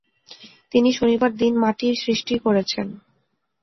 তিনি শনিবার দিন মাটি সৃষ্টি করেছেন।